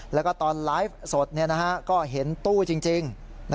แล้วก็ตอนไลฟ์สดก็เห็นตู้จริง